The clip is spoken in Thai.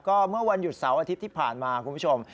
ก็เมื่อวันหยุดเสาร์อาทิตย์ที่ผ่านมาคุณผู้ชม